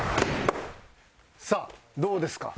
さあどうですか？